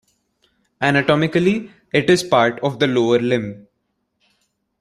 Anatomically, it is part of the lower limb.